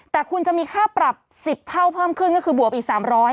แต่คุณจะมีค่าปรับ๑๐เท่าเพิ่มขึ้นก็คือบวกอีก๓๐๐